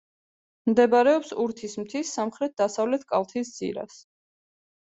მდებარეობს ურთის მთის სამხრეთ-დასავლეთ კალთის ძირას.